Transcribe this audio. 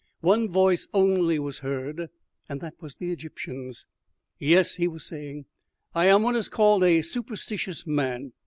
One voice only was heard, and that was the Egyptian's. "Yes," he was saying, "I am what is called a superstitious man.